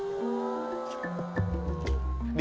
ketika kita mencari minyaknya kita tidak bisa mengerti apa yang terjadi